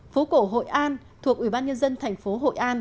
phố cổ hội an thuộc ủy ban nhân dân thành phố hội an